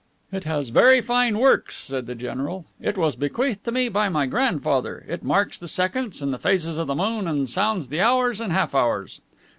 "It has very fine works," said the general. "It was bequeathed to me by my grandfather. It marks the seconds, and the phases of the moon, and sounds the hours and half hours."